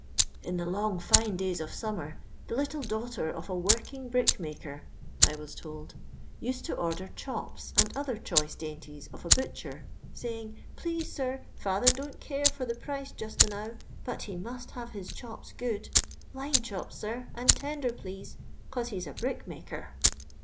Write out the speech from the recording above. '• In the long liU'" ilays of summer, the little daugh t rof .1 working' brickmaker," I was told, uscdto ord . r chops and other choice daintie.s of a butcher, 8.ayina, ' I'leahe, sir. father don't care for the pric? just a naw : but he must have bis chops good; line chops. Mr. and tender, please — 'cause he's a brickinaker.'